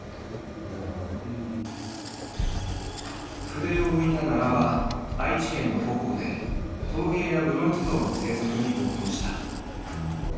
筆を置いた奈良は愛知県の母校で陶芸やブロンズ像の制作に没頭した。